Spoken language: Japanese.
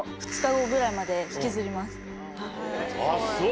あっそう。